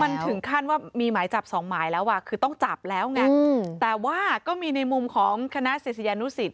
มันถึงขั้นว่ามีหมายจับสองหมายแล้วอ่ะคือต้องจับแล้วไงแต่ว่าก็มีในมุมของคณะศิษยานุสิต